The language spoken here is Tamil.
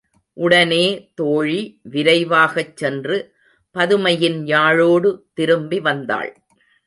உடனே தோழி விரைவாகச் சென்று பதுமையின் யாழோடு திரும்பி வந்தாள்.